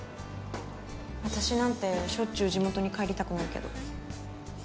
私なんてしょっちゅう地元に帰りたくなるけど。